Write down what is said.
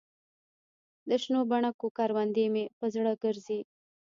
دشنو بنګو کروندې مې په زړه ګرځي